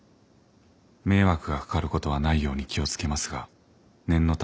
「迷惑が掛かることはないように気を付けますが念のために知らせました。